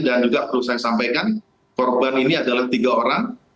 dan juga perlu saya sampaikan perubahan ini adalah tiga orang